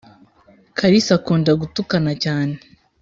kalisa akunda gutukana cyane